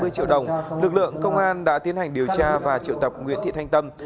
hai mươi triệu đồng lực lượng công an đã tiến hành điều tra và triệu tập nguyễn thị thanh tâm